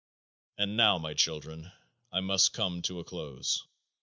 And now, my children, I must come to a close.